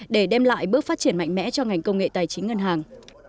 để đem lại bước phát triển mạnh mẽ cho ngành công nghệ tài chính ngân hàng